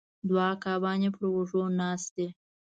دوه عقابان یې پر اوږو ناست دي